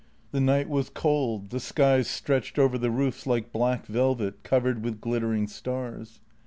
The night was cold, the skies stretched over the roofs like black velvet, covered with glittering stars.